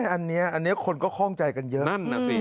อันนี้คนก็คล่องใจกันเยอะ